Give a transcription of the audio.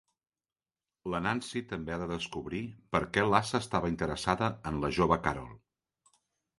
La Nancy també ha de descobrir per què l'Asa estava interessada en la jove Carol.